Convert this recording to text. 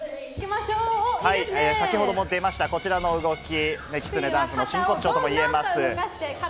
先ほども出ました、こちらの動き、きつねダンスの真骨頂ともいえます。